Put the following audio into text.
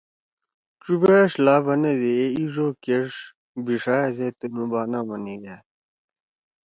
ڇُووأݜ لا بنَدی اے ایِݜ او کیݜ بیِݜا ہیدے تُنُو بنا ما نیِگھأد۔